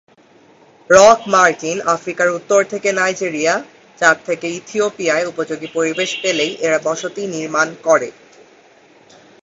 Rock মার্টিন আফ্রিকার উত্তর থেকে নাইজেরিয়া, চাদ থেকে ইথিওপিয়ায় উপযোগী পরিবেশ পেলেই এরা বসতি নির্মাণ করে।